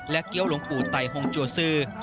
และเกี๊ยวลงปู่ไต้ฮงจวสือ